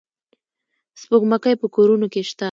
سپوږمکۍ په کورونو کې شته.